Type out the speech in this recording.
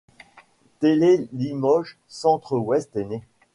Télé-Limoges-Centre-Ouest est née.